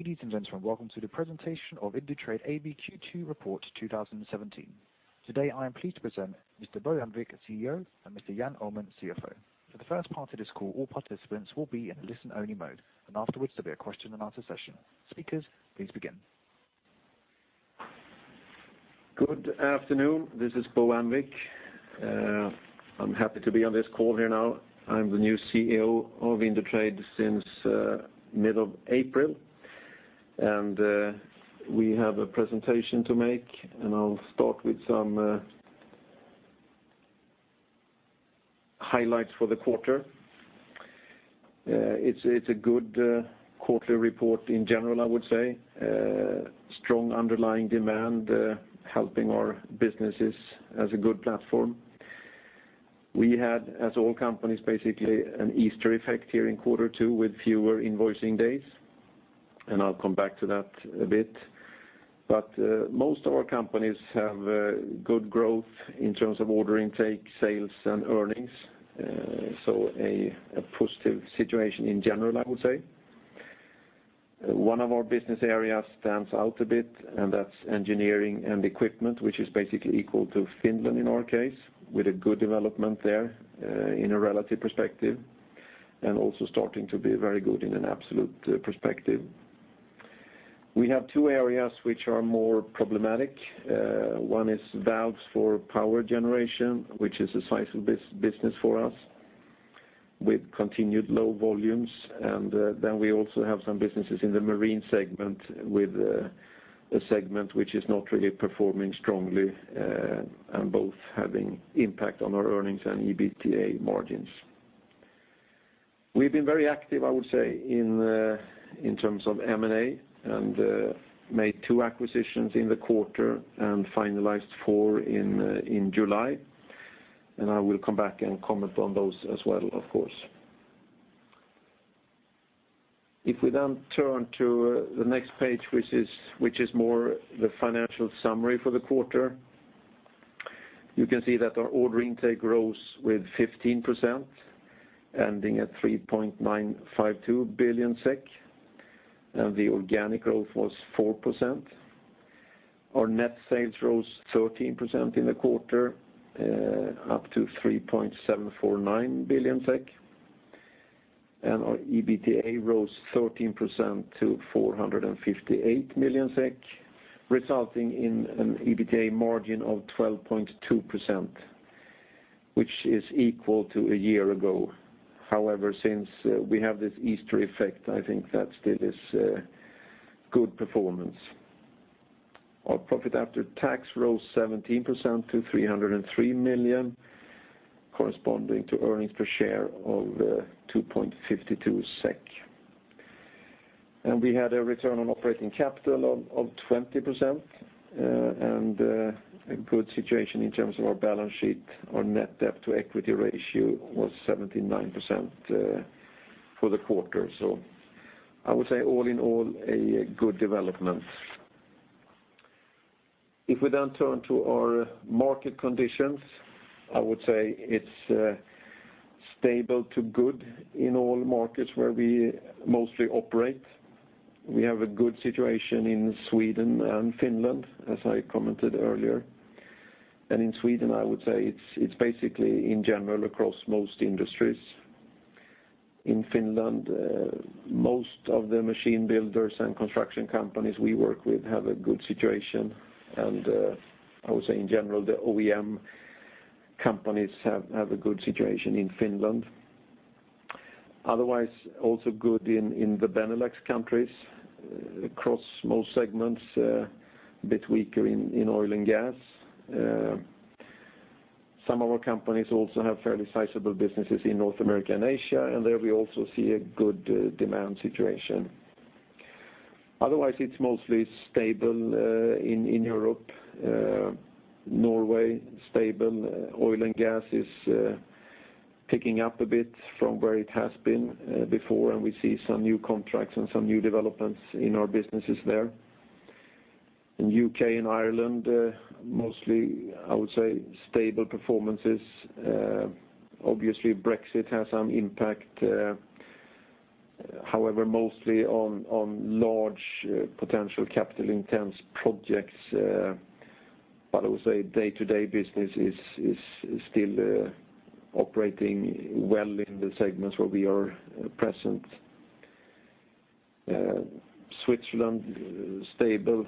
Ladies and gentlemen, welcome to the presentation of Indutrade AB Q2 Report 2017. Today, I am pleased to present Mr. Bo Annvik, CEO, and Mr. Jan Öhman, CFO. For the first part of this call, all participants will be in listen-only mode, afterwards there will be a question and answer session. Speakers, please begin. Good afternoon. This is Bo Annvik. I'm happy to be on this call here now. I'm the new CEO of Indutrade since mid of April, we have a presentation to make, I will start with some highlights for the quarter. It's a good quarterly report in general, I would say. Strong underlying demand, helping our businesses as a good platform. We had, as all companies, basically an Easter effect here in quarter two with fewer invoicing days, I will come back to that a bit. Most of our companies have good growth in terms of order intake, sales, and earnings. A positive situation in general, I would say. One of our business areas stands out a bit, that's Engineering & Equipment, which is basically equal to Finland in our case, with a good development there in a relative perspective, also starting to be very good in an absolute perspective. We have two areas which are more problematic. One is valves for power generation, which is a sizable business for us with continued low volumes. We also have some businesses in the marine segment, with a segment which is not really performing strongly, both having impact on our earnings and EBITDA margins. We've been very active, I would say, in terms of M&A, made two acquisitions in the quarter and finalized four in July. I will come back and comment on those as well, of course. If we turn to the next page, which is more the financial summary for the quarter. You can see that our order intake grows with 15%, ending at 3.952 billion SEK, the organic growth was 4%. Our net sales rose 13% in the quarter, up to 3.749 billion SEK. Our EBITDA rose 13% to 458 million SEK, resulting in an EBITDA margin of 12.2%, which is equal to a year ago. However, since we have this Easter effect, I think that still is good performance. Our profit after tax rose 17% to 303 million, corresponding to earnings per share of 2.52 SEK. We had a return on operating capital of 20% and a good situation in terms of our balance sheet. Our net debt to equity ratio was 79% for the quarter. I would say all in all, a good development. If we then turn to our market conditions, I would say it's stable to good in all markets where we mostly operate. We have a good situation in Sweden and Finland, as I commented earlier. In Sweden, I would say it's basically in general across most industries. In Finland, most of the machine builders and construction companies we work with have a good situation, and I would say in general, the OEM companies have a good situation in Finland. Otherwise, also good in the Benelux countries across most segments, a bit weaker in oil and gas. Some of our companies also have fairly sizable businesses in North America and Asia, and there we also see a good demand situation. Otherwise, it's mostly stable in Europe. Norway, stable. Oil and gas is picking up a bit from where it has been before, we see some new contracts and some new developments in our businesses there. In U.K. and Ireland, mostly, I would say, stable performances. Obviously, Brexit has some impact, however, mostly on large potential capital-intense projects. I would say day-to-day business is still operating well in the segments where we are present. Switzerland, stable.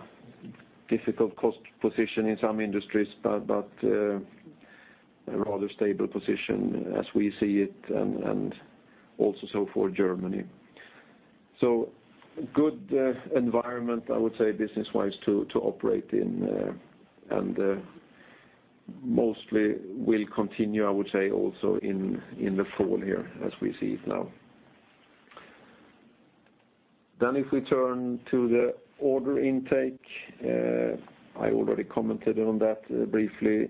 Difficult cost position in some industries, but a rather stable position as we see it, and also so for Germany. Good environment, I would say, business-wise to operate in, and mostly will continue, I would say, also in the fall here as we see it now. If we turn to the order intake, I already commented on that briefly,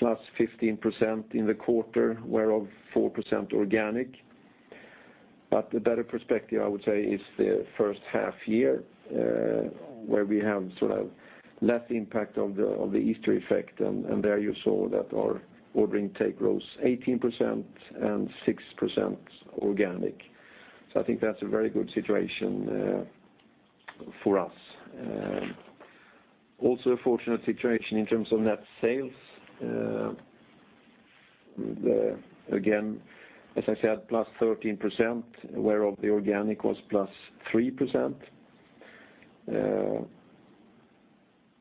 +15% in the quarter, whereof 4% organic. The better perspective, I would say, is the first half year, where we have less impact of the Easter effect, there you saw that our order intake rose 18% and 6% organic. I think that's a very good situation for us. Also a fortunate situation in terms of net sales. Again, as I said, +13%, whereof the organic was +3%.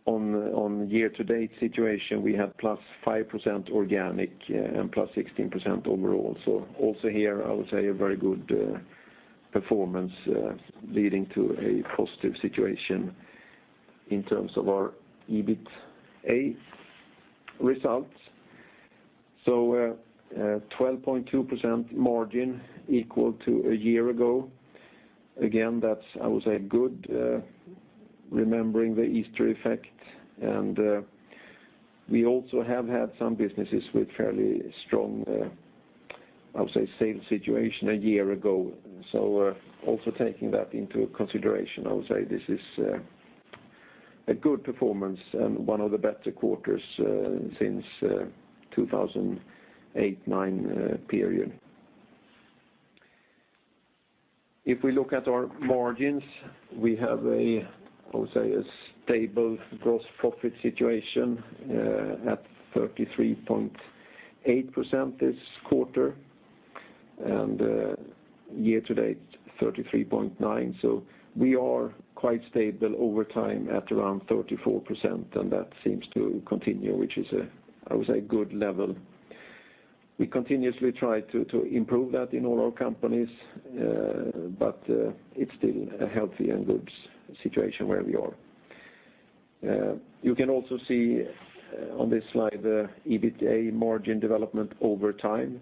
On year-to-date situation, we had +5% organic and +16% overall. Also here, I would say, a very good performance leading to a positive situation in terms of our EBITA results. 12.2% margin equal to a year ago. Again, that's, I would say, good remembering the Easter effect, and we also have had some businesses with fairly strong, I would say, sales situation a year ago. Also taking that into consideration, I would say this is a good performance and one of the better quarters since 2008-2009 period. If we look at our margins, we have a, I would say, stable gross profit situation at 33.8% this quarter and year-to-date 33.9%. We are quite stable over time at around 34%, that seems to continue, which is a, I would say, good level. We continuously try to improve that in all our companies, it's still a healthy and good situation where we are. You can also see on this slide the EBITA margin development over time,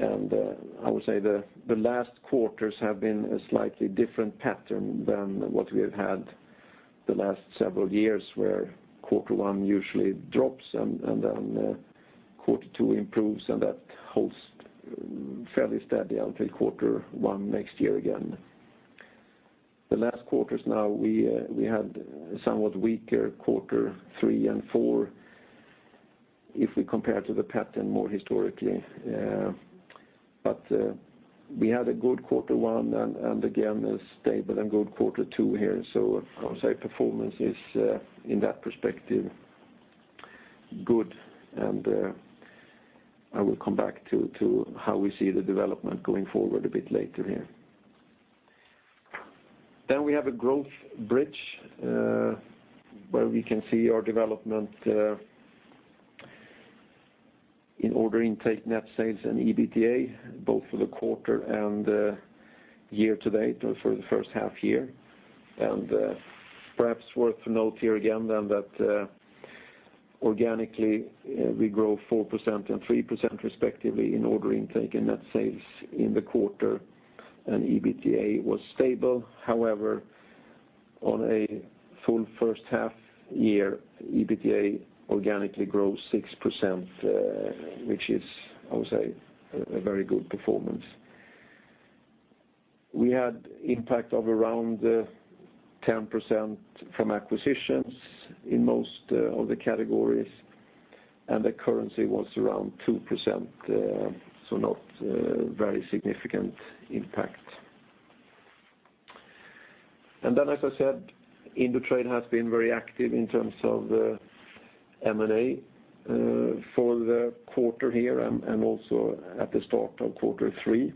I would say the last quarters have been a slightly different pattern than what we have had the last several years where quarter one usually drops and then quarter two improves, and that holds fairly steady until quarter one next year again. The last quarters now, we had a somewhat weaker quarter three and four if we compare to the pattern more historically. We had a good quarter one and again, a stable and good quarter two here. I would say performance is in that perspective good, and I will come back to how we see the development going forward a bit later here. We have a growth bridge where we can see our development in order intake net sales and EBITA, both for the quarter and year to date or for the first half year, and perhaps worth a note here again that organically we grow 4% and 3% respectively in order intake and net sales in the quarter and EBITA was stable. However, on a full first half year, EBITA organically grows 6%, which is, I would say, a very good performance. We had impact of around 10% from acquisitions in most of the categories, and the currency was around 2%, not very significant impact. As I said, Indutrade has been very active in terms of M&A for the quarter here and also at the start of quarter three.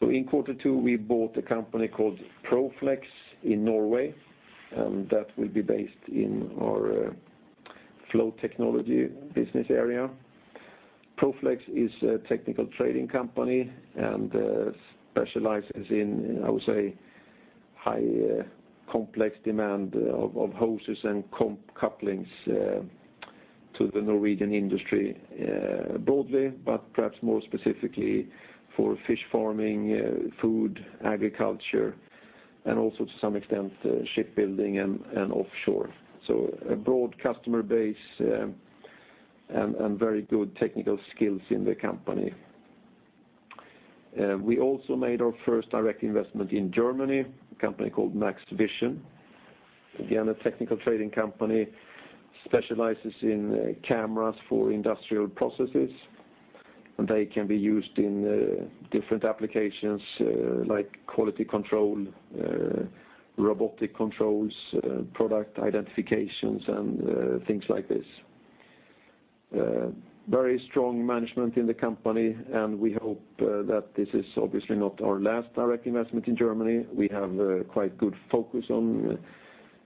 In quarter two, we bought a company called ProFlex in Norway, and that will be based in our Flow Technology business area. ProFlex is a technical trading company and specializes in, I would say, high complex demand of hoses and couplings to the Norwegian industry broadly, but perhaps more specifically for fish farming, food, agriculture, and also to some extent, shipbuilding and offshore. A broad customer base and very good technical skills in the company. We also made our first direct investment in Germany, a company called MaxxVision. Again, a technical trading company specializes in cameras for industrial processes, and they can be used in different applications like quality control, robotic controls, product identifications, and things like this. Very strong management in the company, and we hope that this is obviously not our last direct investment in Germany. We have a quite good focus on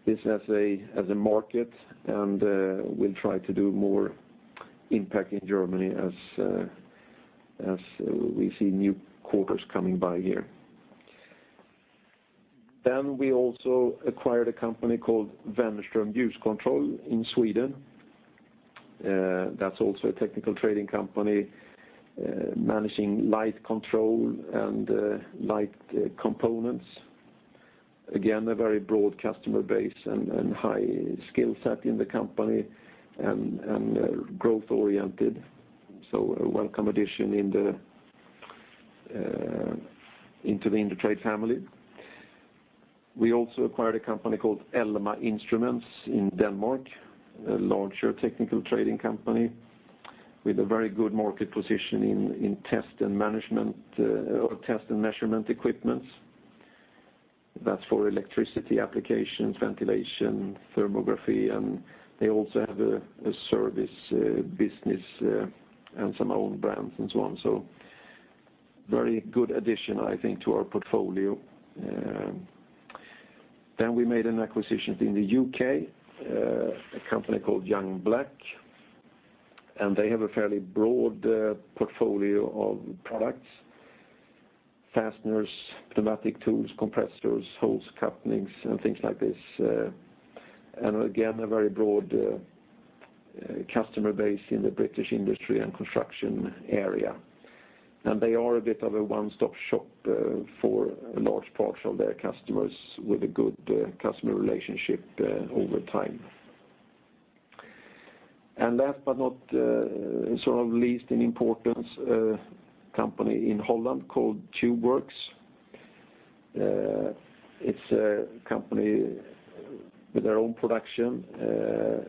this as a market, and will try to do more impact in Germany as we see new quarters coming by here. We also acquired a company called Wennerström Ljuskontroll in Sweden. That's also a technical trading company managing light control and light components. Again, a very broad customer base and high skill set in the company and growth-oriented. A welcome addition into the Indutrade family. We also acquired a company called Elma Instruments in Denmark, a larger technical trading company with a very good market position in test and measurement equipment. That's for electricity applications, ventilation, thermography, and they also have a service business and some own brands, and so on. Very good addition, I think, to our portfolio. We made an acquisition in the U.K., a company called Young Black. They have a fairly broad portfolio of products, fasteners, pneumatic tools, compressors, hose couplings, and things like this. Again, a very broad customer base in the British industry and construction area. They are a bit of a one-stop shop for a large portion of their customers with a good customer relationship over time. Last, but not sort of least in importance, a company in Holland called Tubeworkx. It's a company with their own production,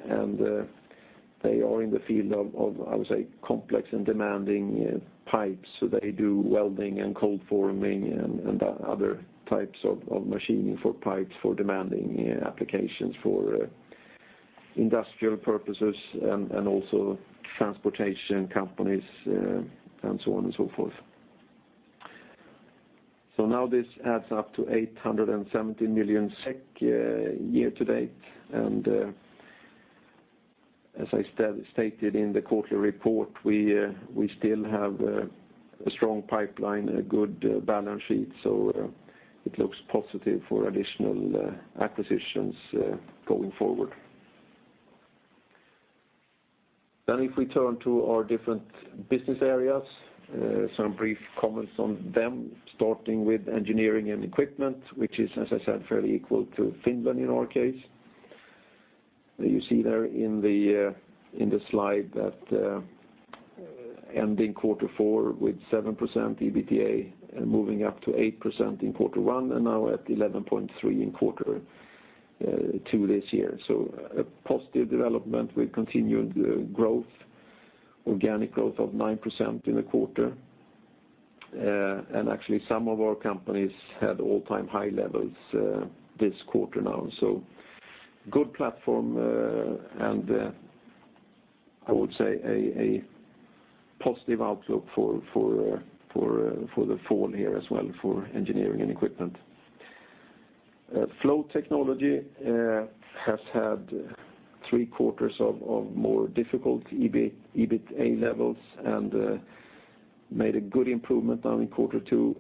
and they are in the field of, I would say, complex and demanding pipes. They do welding and cold forming and other types of machining for pipes, for demanding applications, for industrial purposes and also transportation companies, and so on and so forth. Now this adds up to 870 million SEK year to date. As I stated in the quarterly report, we still have a strong pipeline and a good balance sheet. It looks positive for additional acquisitions going forward. If we turn to our different business areas, some brief comments on them, starting with Engineering & Equipment, which is, as I said, fairly equal to Finland in our case. You see there in the slide that ending quarter four with 7% EBITDA and moving up to 8% in quarter one, and now at 11.3% in quarter two this year. A positive development with continued growth, organic growth of 9% in the quarter. Actually, some of our companies had all-time high levels this quarter now. Good platform, and I would say a positive outlook for the fall here as well for Engineering & Equipment. Flow Technology has had three quarters of more difficult EBITDA levels and made a good improvement now in quarter two,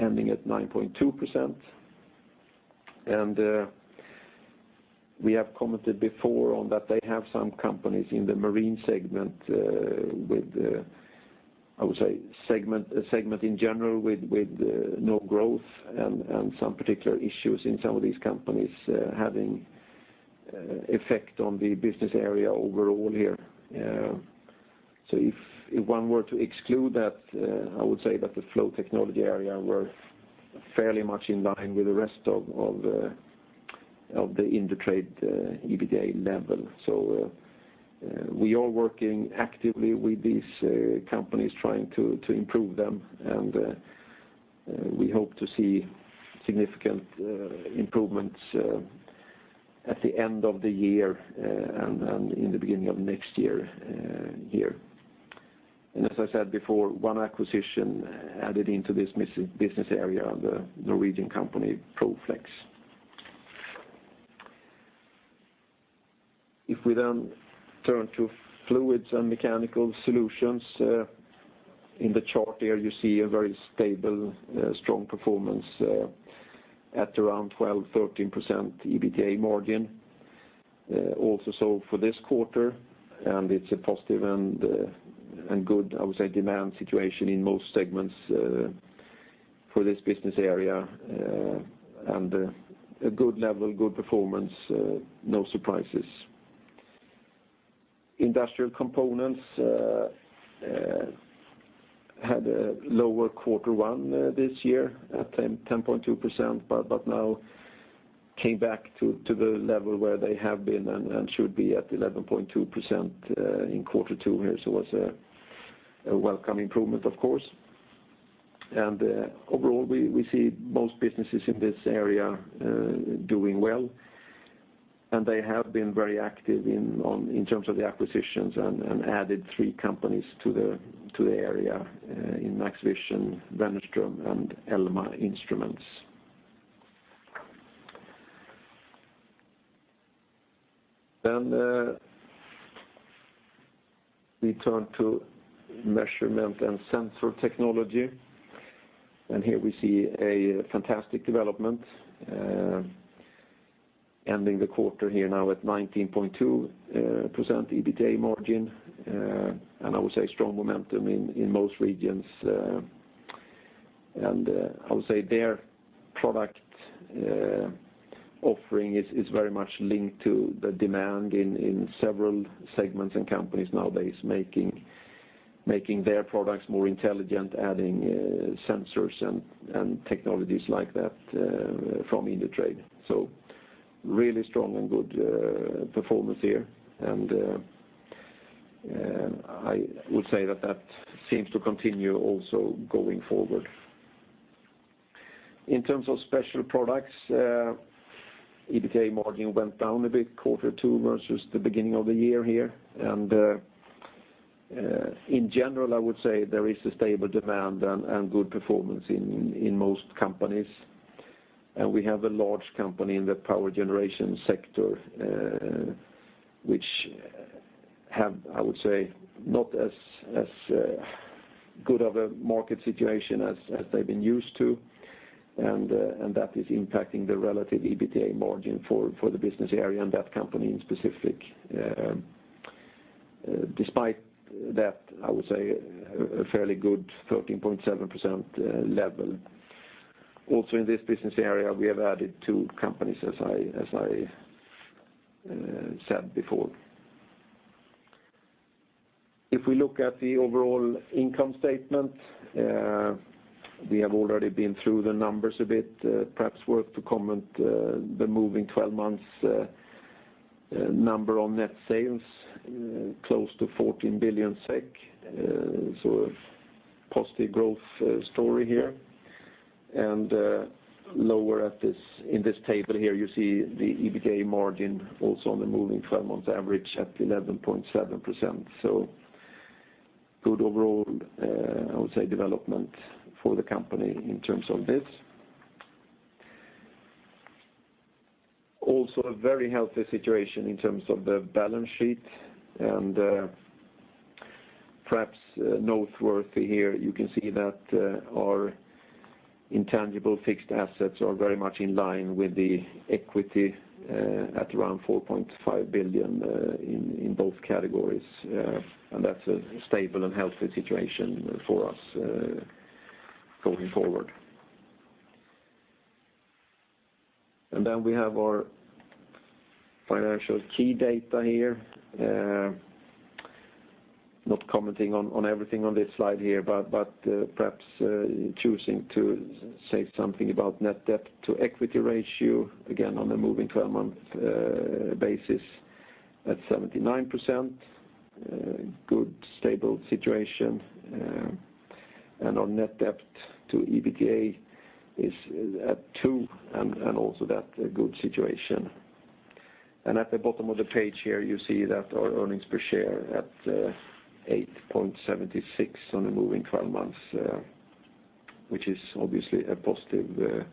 ending at 9.2%. We have commented before on that they have some companies in the marine segment with, I would say, segment in general with no growth and some particular issues in some of these companies having effect on the business area overall here. If one were to exclude that, I would say that the Flow Technology area were fairly much in line with the rest of the Indutrade EBITDA level. We are working actively with these companies trying to improve them, and we hope to see significant improvements at the end of the year and in the beginning of next year here. As I said before, one acquisition added into this business area, the Norwegian company, ProFlex. We turn to Fluids & Mechanical Solutions, in the chart there you see a very stable, strong performance at around 12, 13% EBITDA margin also so for this quarter. It's a positive and good, I would say, demand situation in most segments for this business area, and a good level, good performance, no surprises. Industrial Components had a lower quarter one this year at 10.2%, but now came back to the level where they have been and should be at 11.2% in quarter two here. It's a welcome improvement, of course. Overall, we see most businesses in this area doing well, and they have been very active in terms of the acquisitions and added three companies to the area in MaxxVision, Wennerström, and Elma Instruments. We turn to Measurement & Sensor Technology, and here we see a fantastic development ending the quarter here now at 19.2% EBITDA margin, and I would say strong momentum in most regions. I would say their product offering is very much linked to the demand in several segments and companies nowadays making their products more intelligent, adding sensors and technologies like that from Indutrade. Really strong and good performance here, and I would say that seems to continue also going forward. In terms of Special Products, EBITDA margin went down a bit quarter two versus the beginning of the year here. In general, I would say there is a stable demand and good performance in most companies. We have a large company in the power generation sector, which have, I would say, not as good of a market situation as they've been used to, and that is impacting the relative EBITDA margin for the business area and that company in specific. Despite that, I would say, a fairly good 13.7% level. Also in this business area, we have added two companies, as I said before. If we look at the overall income statement, we have already been through the numbers a bit. Perhaps worth to comment, the moving 12 months number on net sales, close to 14 billion SEK. A positive growth story here. Lower in this table here, you see the EBITDA margin also on the moving 12 months average at 11.7%. Good overall, I would say, development for the company in terms of this. Also a very healthy situation in terms of the balance sheet. Perhaps noteworthy here, you can see that our intangible fixed assets are very much in line with the equity at around 4.5 billion in both categories, and that's a stable and healthy situation for us going forward. Then we have our financial key data here. Not commenting on everything on this slide here, but perhaps choosing to say something about net debt to equity ratio, again on a moving 12-month basis at 79%. Good, stable situation. Our net debt to EBITDA is at 2, and also that a good situation. At the bottom of the page here, you see that our earnings per share at 8.76 on a moving 12 months, which is obviously a positive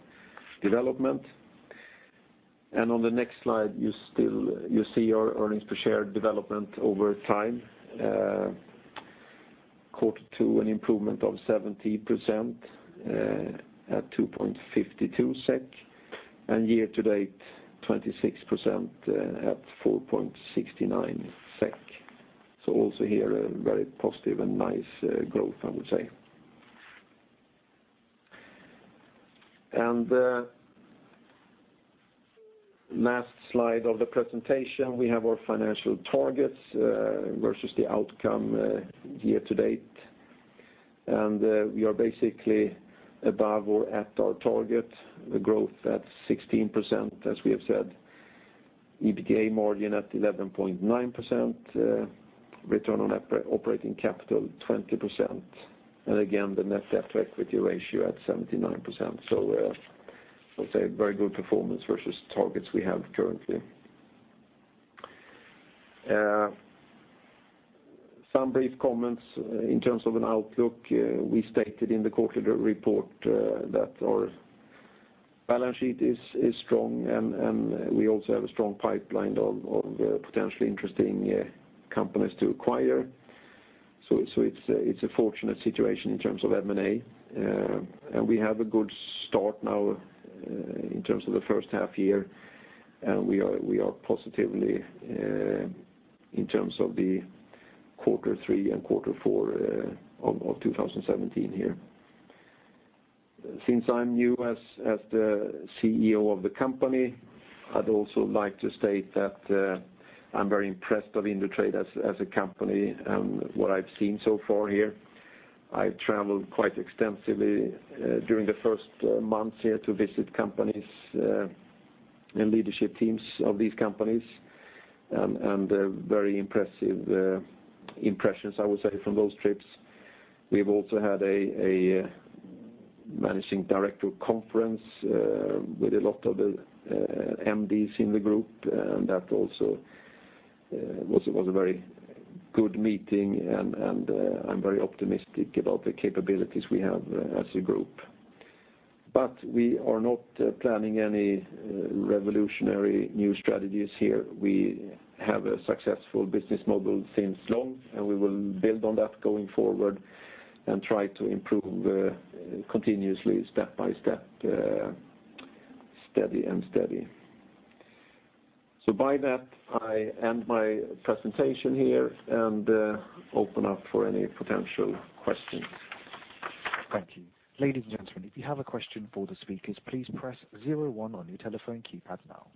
development. On the next slide, you see our earnings per share development over time. Quarter two, an improvement of 17% at 2.52 SEK, and year to date, 26% at 4.69 SEK. Also here, a very positive and nice growth, I would say. Last slide of the presentation, we have our financial targets versus the outcome year to date. We are basically above or at our target, the growth at 16%, as we have said, EBITDA margin at 11.9%, return on operating capital 20%, and again, the net debt to equity ratio at 79%. I would say a very good performance versus targets we have currently. Some brief comments in terms of an outlook. We stated in the quarterly report that our balance sheet is strong, and we also have a strong pipeline of potentially interesting companies to acquire. It's a fortunate situation in terms of M&A. We have a good start now in terms of the first half-year, and we are positively in terms of the quarter three and quarter four of 2017 here. Since I'm new as the CEO of the company, I'd also like to state that I'm very impressed of Indutrade as a company and what I've seen so far here. I've traveled quite extensively during the first months here to visit companies and leadership teams of these companies, and very impressive impressions, I would say, from those trips. We've also had a managing director conference with a lot of the MDs in the group, and that also was a very good meeting, and I'm very optimistic about the capabilities we have as a group. We are not planning any revolutionary new strategies here. We have a successful business model since long, we will build on that going forward and try to improve continuously step by step, steady and steady. By that, I end my presentation here and open up for any potential questions. Thank you. Ladies and gentlemen, if you have a question for the speakers, please press 01 on your telephone keypad now.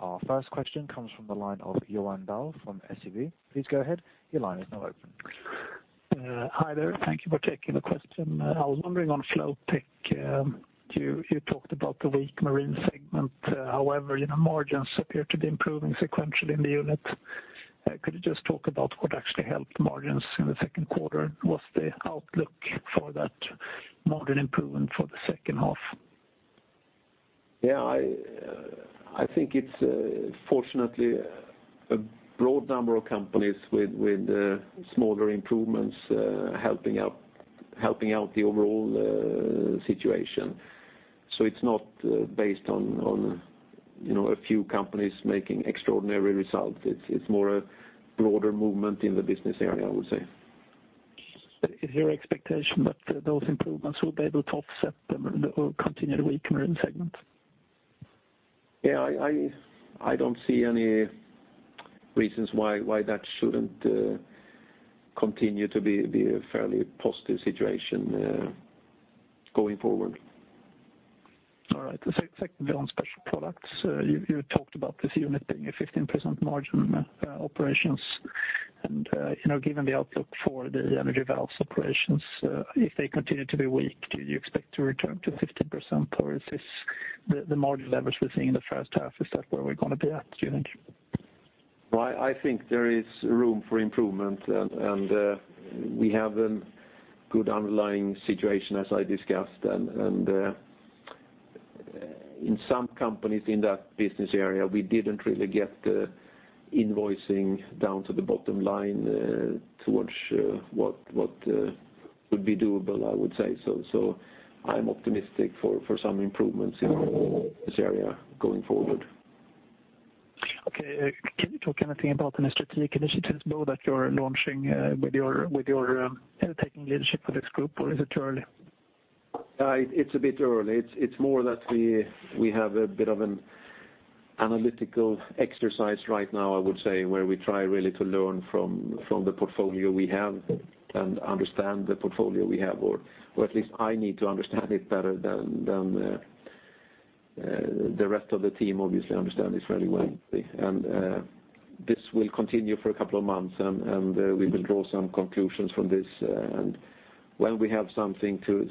Our first question comes from the line of Johan Dahl from SEB. Please go ahead, your line is now open. Hi there. Thank you for taking the question. I was wondering on Flowtech, you talked about the weak marine segment. However, margins appear to be improving sequentially in the unit. Could you just talk about what actually helped margins in the second quarter? What's the outlook for that margin improvement for the second half? Yeah, I think it's fortunately a broad number of companies with smaller improvements helping out the overall situation. It's not based on a few companies making extraordinary results. It's more a broader movement in the business area, I would say. Is your expectation that those improvements will be able to offset the continued weak marine segment? Yeah, I don't see any reasons why that shouldn't continue to be a fairly positive situation going forward. All right. The second bit on Special Products. You talked about this unit being a 15% margin operations and given the outlook for the energy valves operations, if they continue to be weak, do you expect to return to 15%? Or is this the margin levels we're seeing in the first half, is that where we're going to be at, do you think? Well, I think there is room for improvement and we have a good underlying situation as I discussed. In some companies in that business area, we didn't really get the invoicing down to the bottom line towards what would be doable, I would say. I'm optimistic for some improvements in this area going forward. Okay. Can you talk anything about any strategic initiatives now that you're launching with your taking leadership of this group, or is it too early? It's a bit early. It's more that we have a bit of an analytical exercise right now, I would say, where we try really to learn from the portfolio we have and understand the portfolio we have, or at least I need to understand it better than the rest of the team obviously understand it fairly well. This will continue for a couple of months, and we will draw some conclusions from this. When we have something to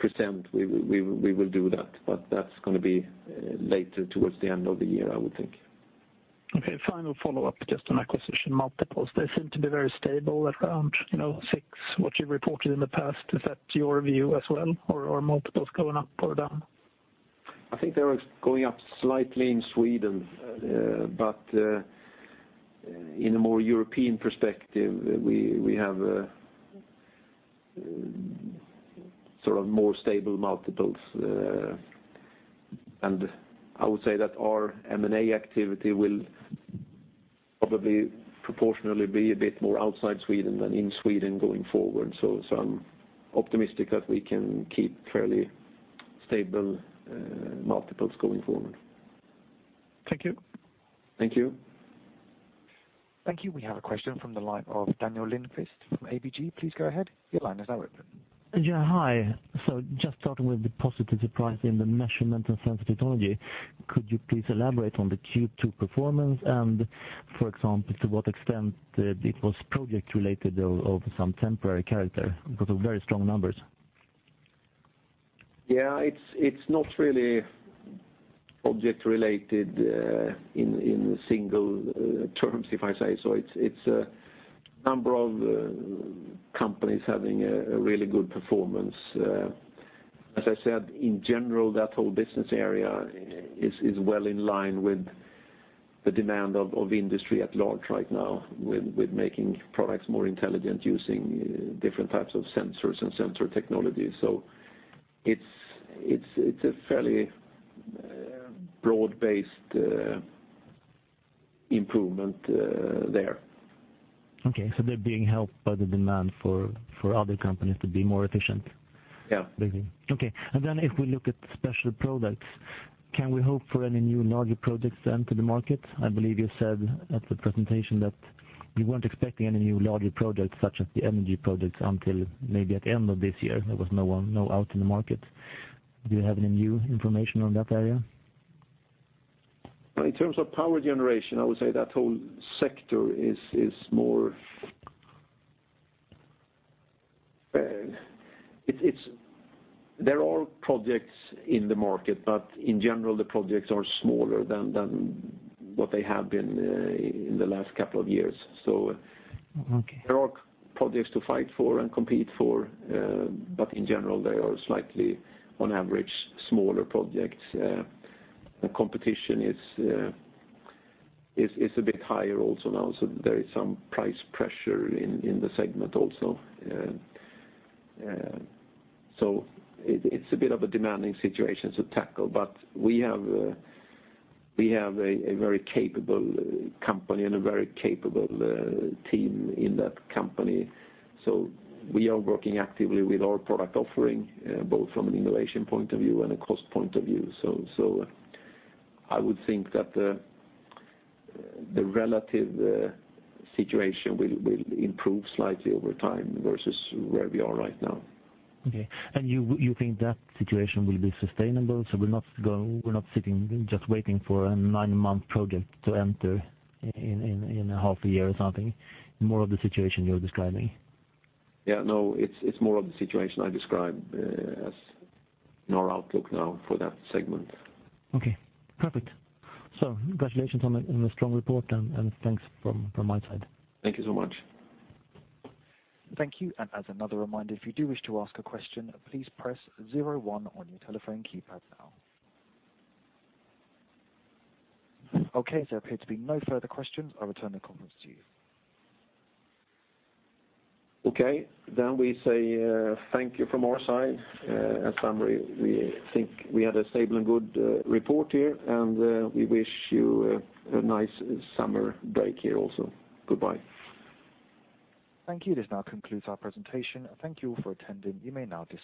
present, we will do that. That's going to be later towards the end of the year, I would think. Okay, final follow-up, just on acquisition multiples. They seem to be very stable at around six, what you reported in the past. Is that your view as well, or are multiples going up or down? I think they are going up slightly in Sweden. In a more European perspective, we have more stable multiples. I would say that our M&A activity will probably proportionally be a bit more outside Sweden than in Sweden going forward. I'm optimistic that we can keep fairly stable multiples going forward. Thank you. Thank you. Thank you. We have a question from the line of Daniel Lindkvist from ABG. Please go ahead. Your line is now open. Yeah, hi. Just starting with the positive surprise in the Measurement & Sensor Technology, could you please elaborate on the Q2 performance and, for example, to what extent it was project related of some temporary character because of very strong numbers? Yeah, it's not really project related in single terms if I say. It's a number of companies having a really good performance. As I said, in general, that whole business area is well in line with the demand of industry at large right now with making products more intelligent using different types of sensors and sensor technology. It's a fairly broad-based improvement there. Okay, they're being helped by the demand for other companies to be more efficient? Yeah. Okay. If we look at Special Products, can we hope for any new larger projects to enter the market? I believe you said at the presentation that you weren't expecting any new larger projects such as the energy projects until maybe at the end of this year. There was no one, no out in the market. Do you have any new information on that area? In terms of power generation, I would say that whole sector, there are projects in the market, but in general, the projects are smaller than what they have been in the last couple of years. Okay. There are projects to fight for and compete for, but in general, they are slightly on average smaller projects. The competition is a bit higher also now, so there is some price pressure in the segment also. It's a bit of a demanding situation to tackle, but we have a very capable company and a very capable team in that company. We are working actively with our product offering both from an innovation point of view and a cost point of view. I would think that the relative situation will improve slightly over time versus where we are right now. Okay. You think that situation will be sustainable, so we're not sitting just waiting for a nine-month project to enter in a half a year or something, more of the situation you're describing? Yeah, no, it's more of the situation I described as our outlook now for that segment. Okay, perfect. Congratulations on the strong report and thanks from my side. Thank you so much. Thank you. As another reminder, if you do wish to ask a question, please press 01 on your telephone keypad now. Okay, there appear to be no further questions. I return the conference to you. Okay. We say thank you from our side. As summary, we think we had a stable and good report here, and we wish you a nice summer break here also. Goodbye. Thank you. This now concludes our presentation. Thank you for attending. You may now disconnect.